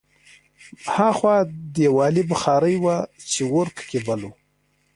هاخوا دېوالي بخارۍ وه چې اور پکې بل و